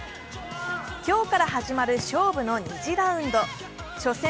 今日から始まる勝負の２次ラウンド初戦